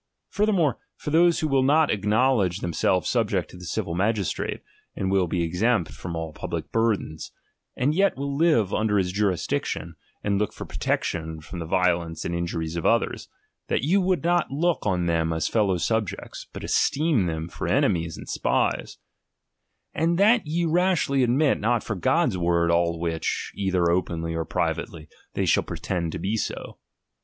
Furthermore, for those who will Hot acknowledge themselves subject to the civil magistrate, and will be exempt from all public burthens, and yet will live under his jurisdiction, id look for protection from the violence and in luriea of others, that you would not look on them as fellow subjects, but esteem them for enemies and spies ; and that ye rashly admit not for God's word all which, either openly or privately, they shall pretend to be so.